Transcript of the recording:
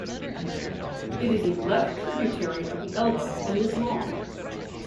It is a left tributary of the Elbe and is long.